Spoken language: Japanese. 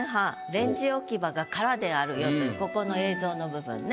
レンジ置き場が空であるよというここの映像の部分ね。